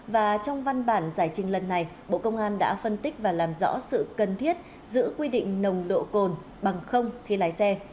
và trong văn bản giải trình lần này bộ công an đã phân tích và làm rõ sự cần thiết giữ quy định nồng độ cồn bằng không khi lái xe